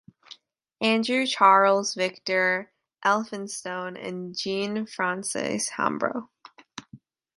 Andrew Charles Victor Elphinstone and Jean Frances Hambro.